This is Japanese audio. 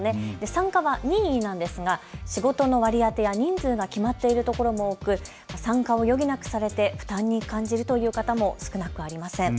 参加は任意なんですが仕事の割り当てや人数が決まっている所も多く、参加を余儀なくされて負担に感じるという方も少なくありません。